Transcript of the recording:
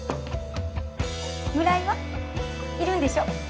村井はいるんでしょ？